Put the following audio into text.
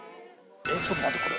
ちょっと待ってこれ。